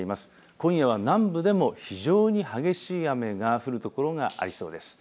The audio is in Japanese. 今夜は南部でも非常に激しい雨が降る所がありそうです。